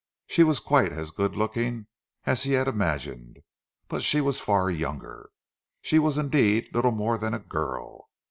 She was quite as good looking as he had imagined, but she was far younger she was indeed little more than a girl.